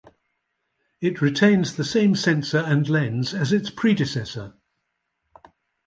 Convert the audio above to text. It retains the same sensor and lens as its predecessor.